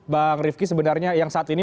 bang rifki sebenarnya yang saat ini